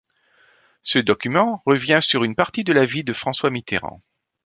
Ce document revient sur une partie de la vie de François Mitterrand.